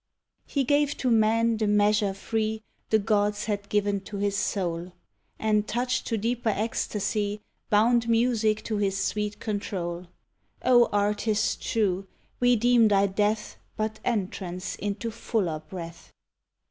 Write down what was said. He gave to man the measure free The gods had given to his soul; And, touched to deeper ecstasy, Bound Music to his sweet control. O Artist true! we deem thy death But entrance into fuller breath.